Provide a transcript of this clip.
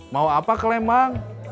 mau apa ke lembang